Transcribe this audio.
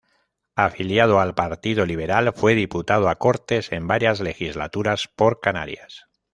Afiliado al Partido Liberal, fue diputado a Cortes en varias legislaturas por Canarias.